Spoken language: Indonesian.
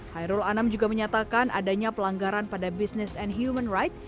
hairul anam juga menyatakan adanya pelanggaran pada business and human rights